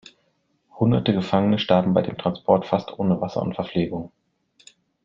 Hunderte Gefangene starben bei dem Transport fast ohne Wasser und Verpflegung.